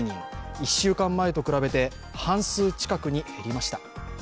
１週間前と比べて半数近くに減りました。